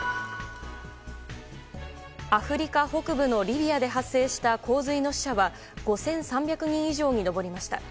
アフリカ北部のリビアで発生した洪水の死者は５３００人以上に上りました。